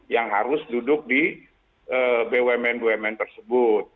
yang harus duduk di bumn bumn tersebut